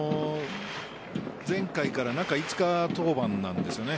前回から中５日登板なんですよね。